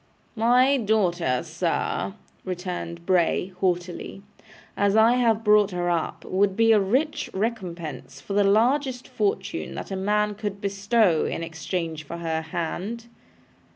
'My daughter, sir,' returned Bray, haughtily, 'as I have brought her up, would be a rich recompense for the largest fortune that a man could bestow in exchange for her hand.